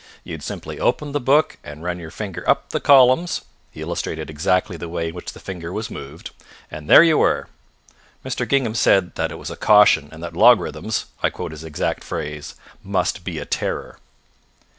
You would simply open the book and run your finger up the columns (he illustrated exactly the way in which the finger was moved), and there you were. Mr. Gingham said that it was a caution, and that logarithms (I quote his exact phrase) must be a terror.